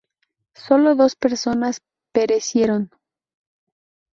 Solo dos personas perecieron.